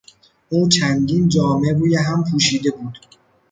او چندین جامه روی هم پوشیده بود.